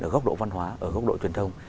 ở góc độ văn hóa ở góc độ truyền thông